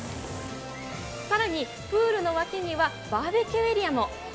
さらにプールの脇にはバーベキューエリアも。